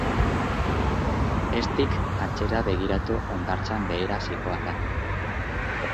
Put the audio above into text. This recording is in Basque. Ez dik atzera begiratu hondartzan behera zihoala.